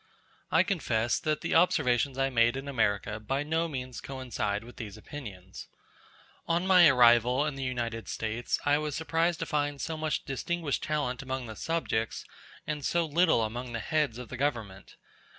I confess that the observations I made in America by no means coincide with these opinions. On my arrival in the United States I was surprised to find so much distinguished talent among the subjects, and so little among the heads of the Government.